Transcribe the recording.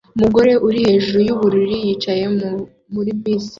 Umugore uri hejuru yubururu yicaye muri bisi